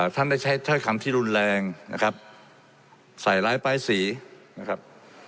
ท่านได้ใช้ถ้อยคำที่รุนแรงนะครับใส่ร้ายป้ายสีนะครับ